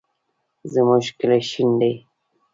زمونږ کلی شین دی